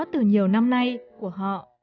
từ nhiều năm nay của họ